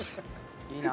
いいな！